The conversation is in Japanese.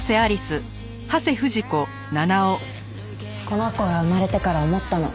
この子が生まれてから思ったの。